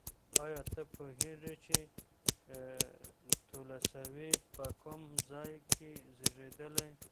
ایا ته پوهېږې چې تولستوی په کوم ځای کې زېږېدلی؟